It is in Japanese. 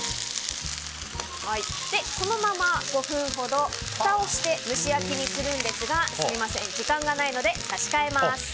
このまま５分ほど、ふたをして蒸し焼きにするんですがすみません、時間がないので差し替えます。